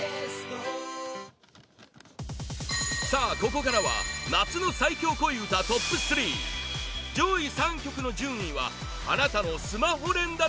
ここからは夏の最強恋うたトップ３上位３曲の順位はあなたのスマホ連打